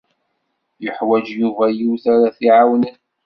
Yuḥwaǧ Yuba yiwet ara t-iɛawnen.